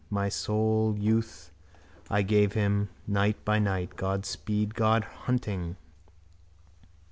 My soul's youth I gave him, night by night. God speed. Good hunting.